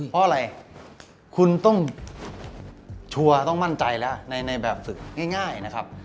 เพราะอะไรคุณต้องชัวร์ต้องมั่นใจแล้วในแบบฝึกง่ายนะครับ